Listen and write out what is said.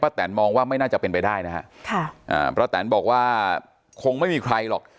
แตนมองว่าไม่น่าจะเป็นไปได้นะฮะค่ะอ่าป้าแตนบอกว่าคงไม่มีใครหรอก